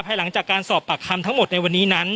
หลังจากการสอบปากคำทั้งหมดในวันนี้นั้น